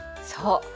そう。